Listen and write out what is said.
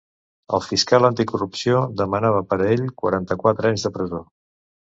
El fiscal anticorrupció demanava per a ell quaranta-quatre anys de presó.